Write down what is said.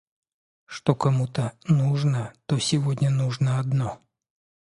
что кому-то нужно, то сегодня нужно одно